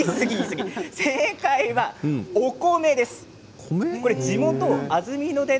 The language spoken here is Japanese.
正解は、お米です。